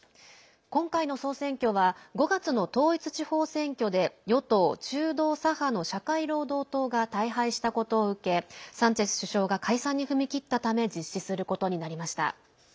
今回の総選挙は５月の統一地方選挙で与党・中道左派の社会労働党が大敗したことを受けサンチェス首相が解散に踏み切ったため実施することになりました。